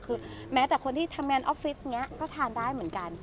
คือแม้แต่คนที่ทำแบบออฟฟิศก็ทานได้เหมือนกัน